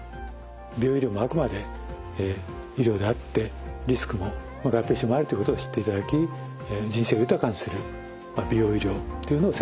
美容医療もあくまで医療であってリスクも合併症もあるということを知っていただき人生を豊かにする美容医療っていうのを選択していただければと思います。